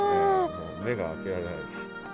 もう目が開けられないです。